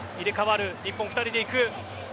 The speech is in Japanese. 日本、２人で行く。